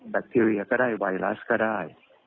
แคคทีเรียก็ได้ไวรัสก็ได้